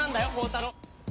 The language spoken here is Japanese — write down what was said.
太郎。